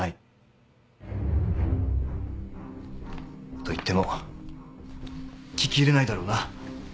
といっても聞き入れないだろうな。